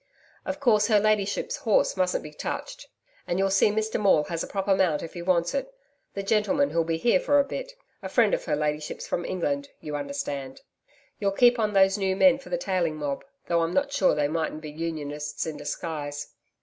Of course, her ladyship's horse mustn't be touched, and you'll see Mr Maule has a proper mount if he wants it the gentleman who'll be here for a bit a friend of her ladyship's from England you understand. You'll keep on those new men for the tailing mob, though I'm not sure they mightn't be Unionists in disguise.